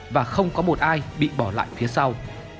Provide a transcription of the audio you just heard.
và không có một ai bị bỏ lại phía sau